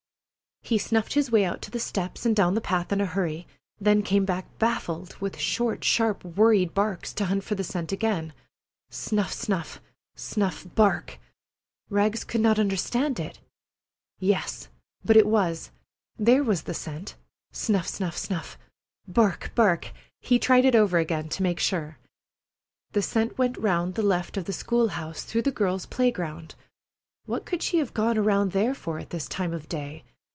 He snuffed his way out to the steps and down the path in a hurry, then came back baffled, with short, sharp, worried barks, to hunt for the scent again. Snuff! Snuff! Snuff! Bark! Rags could not understand it. Yes—but it was—there was the scent! Snuff! Snuff! Snuff! Bark! Bark! He tried it over again to make sure. The scent went around the left of the school house, through the girl's play ground. What could she have gone around there for at this time of day?